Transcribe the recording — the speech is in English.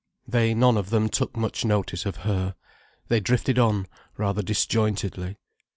They none of them took much notice of her. They drifted on, rather disjointedly.